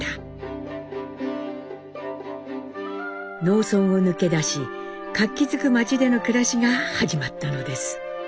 農村を抜け出し活気づく街での暮らしが始まったのです。